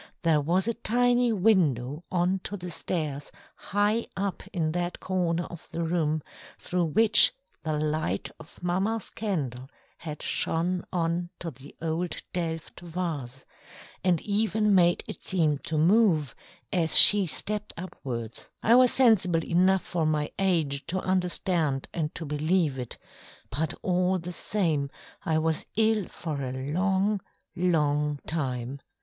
There was a tiny window on to the stairs high up in that corner of the room, through which the light of mamma's candle had shone on to the old Delft vase, and even made it seem to move, as she stepped upwards. I was sensible enough for my age to understand and to believe it, but all the same I was ill for a long, long time.